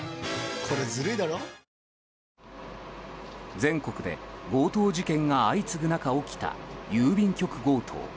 全国で強盗事件が相次ぐ中、起きた郵便局強盗。